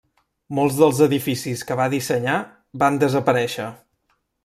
Molts dels edificis que va dissenyar van desaparèixer.